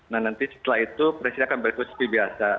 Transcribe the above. nah nanti setelah itu presiden akan berikut seperti biasa